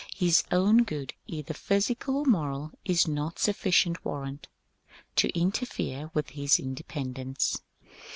His own good, either physical or moral, is not a suffi cient warrant," to interfere with his independence.